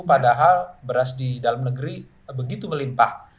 padahal beras di dalam negeri begitu melimpah